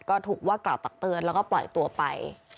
ก็ถูกว่ากล่าวตักเตือนแล้วก็ปล่อยตัวไป